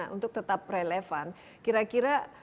yang datang dari kantor jiwa kajian